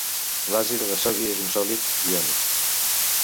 L'azida de sodi és un sòlid iònic.